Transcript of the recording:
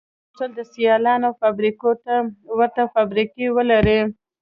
هغه غوښتل د سیالانو فابریکو ته ورته فابریکې ولري